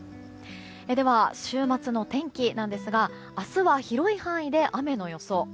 では、週末の天気なんですが明日は広い範囲で雨の予想。